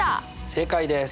正解です！